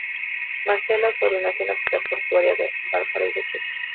Marcela Osorio nació en la ciudad portuaria de Valparaíso, Chile.